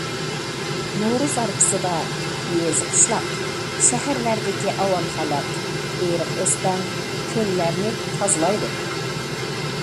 نورۇز ھارپىسىدا يېزا- قىشلاق، شەھەرلەردىكى ئاۋام خەلق ئېرىق- ئۆستەڭ، كۆللەرنى تازىلايدۇ.